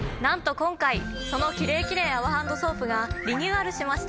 今回そのキレイキレイ泡ハンドソープがリニューアルしました！